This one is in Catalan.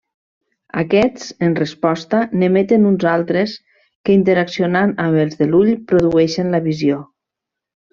Aquests, en resposta, n'emeten uns altres que, interaccionant amb els de l'ull produeixen la visió.